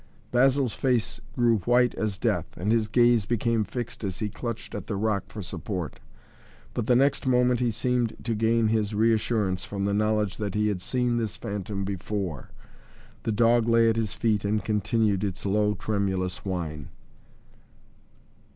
Basil's face grew white as death, and his gaze became fixed as he clutched at the rock for support. But the next moment he seemed to gain his reassurance from the knowledge that he had seen this phantom before. The dog lay at his feet and continued its low tremulous whine.